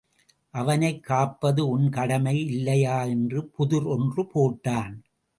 அவனைக் காப்பது உன் கடமை இல்லையா என்று புதிர் ஒன்று போட்டான்.